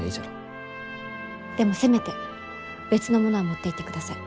でもせめて別のものは持っていってください。